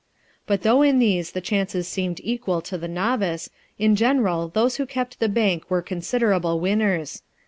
But though in these the chances seemed equal to the novice, in general those who kept the bank were considerable winners.